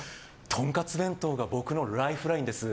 とんかつ弁当が僕のライフラインです。